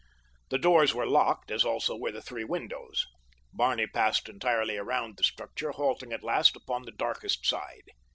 The doors were locked, as also were the three windows. Barney passed entirely around the structure halting at last upon the darkest side.